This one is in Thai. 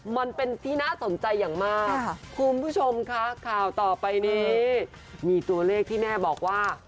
มันเป็นที่น่าสนใจอย่างมากคุณผู้ชมค่ะข่าวต่อไปนี้มีตัวเลขที่แม่บอกว่า